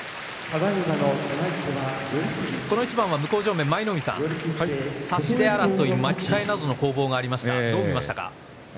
この一番は向正面の舞の海さん差し手争い巻き替えの攻防がありました。